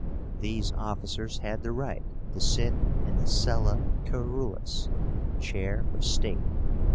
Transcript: These officers had the right to sit in the sella curúlis, chair of state.